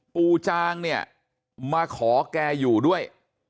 จางเนี่ยมาขอแกอยู่ด้วย